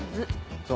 そう